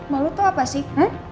mau lo tau apa sih